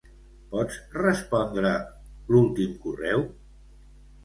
Pots respondre l'últim correu?